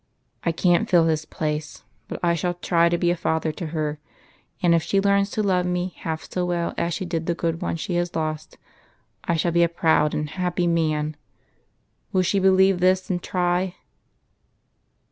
I can't fill his place, but I shall try to be a father to her ; and if she learns to love me half as well as she did the good one she has lost, I shall be a proud and happy man. Will she believe this and try?"